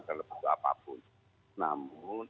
terlebih dahulu apapun namun